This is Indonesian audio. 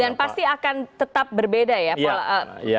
dan pasti akan tetap berbeda ya